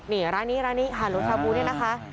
เนี่ยร้านนี้ฮาโหลชาบูเนี่ยนะคะ